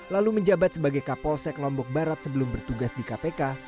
lalu menjabat sebagai kapolsek lombok barat sebelum bertugas di kpk